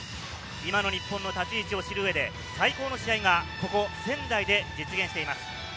今の日本の立ち位置を知る上で最高の試合が、ここ仙台で実現しています。